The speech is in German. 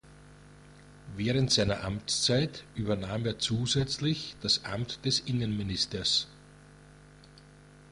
Während seiner Amtszeit übernahm er zusätzlich das Amt des Innenministers.